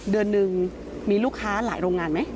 เดือนหนึ่งมีลูกค้าหลายโรงงานไหม